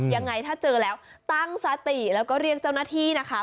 ยังไงถ้าเจอแล้วตั้งสติแล้วก็เรียกเจ้าหน้าที่นะคะ